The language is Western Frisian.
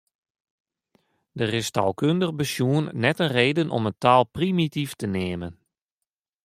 Der is taalkundich besjoen net in reden om in taal primityf te neamen.